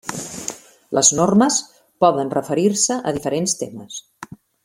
Les normes poden referir-se a diferents temes.